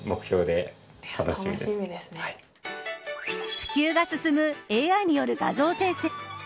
普及が進むＡＩによる画像生成。